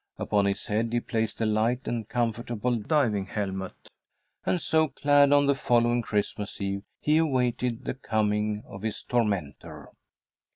Upon his head he placed a light and comfortable diving helmet, and so clad, on the following Christmas Eve he awaited the coming of his tormentor.